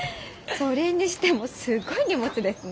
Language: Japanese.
それにしてもすごい荷物ですね。